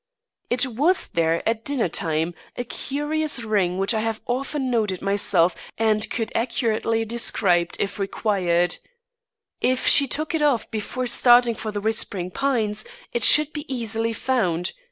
It was there at dinner time a curious ring which I have often noted myself and could accurately describe if required. If she took it off before starting for The Whispering Pines, it should be easily found.